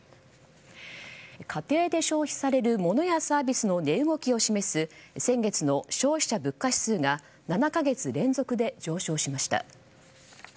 家庭で消費される物やサービスの値動きを示す先月の消費者物価指数が７か月連続で上昇しました。